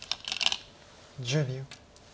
１０秒。